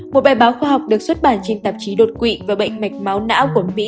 một bài báo khoa học được xuất bản trên tạp chí đột quỵ và bệnh mạch máu não của mỹ